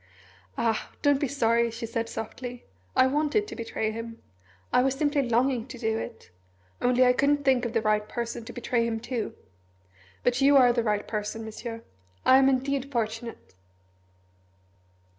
"Ah don't be sorry," she said softly. "I wanted to betray him. I was simply longing to do it only I couldn't think of the right person to betray him to! But you are the right person, Monsieur. I am indeed fortunate!"